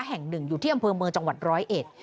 แห่งหนึ่งอยู่ที่อำเภอเมืองจังหวัดร้อยเอ็ด